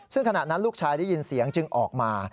ซึ่งขณะนั้นลูกชายได้ยินเสียงจึงออกมา